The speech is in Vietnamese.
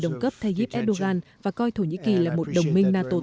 đồng cấp thay giúp erdogan và coi thổ nhĩ kỳ là một đồng minh